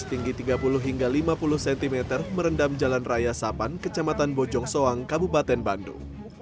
banjir setinggi tiga puluh hingga lima puluh sentimeter merendam jalan raya sapan kecamatan bojongsoang kabupaten bandung